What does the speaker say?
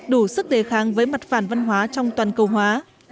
đủ sức đề kháng với mặt phản văn hóa trong toàn cầu hóa